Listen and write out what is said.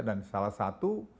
dan salah satu